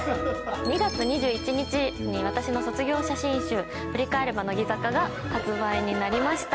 ２月２１日に私の卒業写真集『振り返れば、乃木坂』が発売になりました。